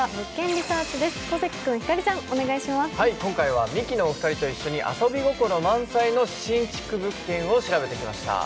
今回はミキのお二人と一緒に遊び心満載の新築物件を調べてきました。